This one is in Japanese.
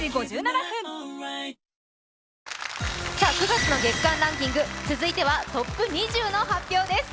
９月の月間ランキング続いてはトップ２０の発表です。